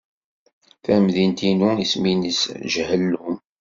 Tamdint-inu isem-nnes Jhelum.